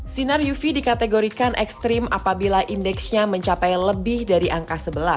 sinar uv dikategorikan ekstrim apabila indeksnya mencapai lebih dari angka sebelas